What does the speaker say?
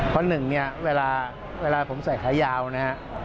เพราะหนึ่งเนี่ยเวลาผมใส่ขายาวนะฮะ